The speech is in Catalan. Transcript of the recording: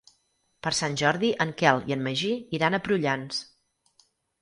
Per Sant Jordi en Quel i en Magí iran a Prullans.